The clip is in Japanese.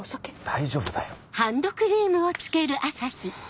大丈夫だよ。